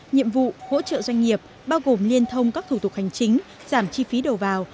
nhiệm vụ hỗ trợ doanh nghiệp bao gồm liên thông các thủ tục hành chính giảm chi phí đầu vào